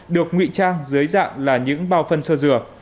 được ngụy trang dưới dạng là những bao phân sơ dừa